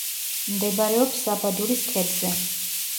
მდებარეობს საბადურის ქედზე.